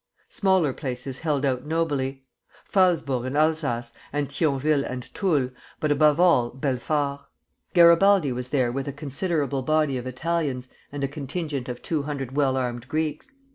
Smaller places held out nobly, Phalsbourg in Alsace, and Thionville and Toul, but above all Belfort. Garibaldi was there with a considerable body of Italians and a contingent of two hundred well armed Greeks.